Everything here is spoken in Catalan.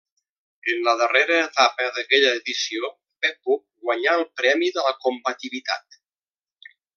En la darrera etapa d'aquella edició Beppu guanyà el premi de la combativitat.